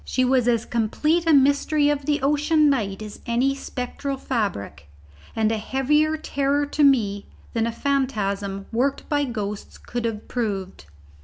She was as complete a mystery of the ocean night as any spectral fabric, and a heavier terror to me than a phantasm worked by ghosts could have proved.